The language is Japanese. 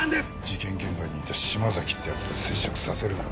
事件現場にいた島崎って奴と接触させるな。